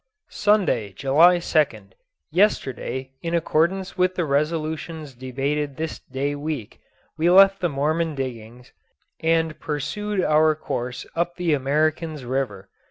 Sunday, July 2nd. Yesterday, in accordance with the resolutions debated this day week, we left the Mormon diggings, and pursued our course up the Americans' River.